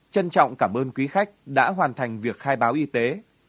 trân trọng cảm ơn quý khách đã hoàn thành việc khai báo y tế